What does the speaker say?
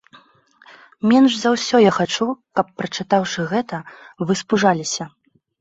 Менш за ўсё я хачу, каб прачытаўшы гэта, вы спужаліся.